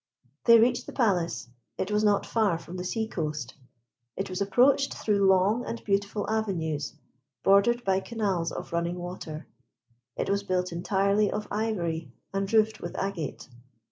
They reached the palace; it was not far from the sea coast. It was approached through long and beautiful avenues, bordered by canals of running water. It was built entirely of ivory and roofed with agate.